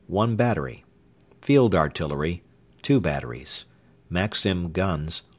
1 battery Field Artillery .... 2 batteries Maxim Guns